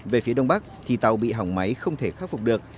về phía đông bắc thì tàu bị hỏng máy không thể khắc phục được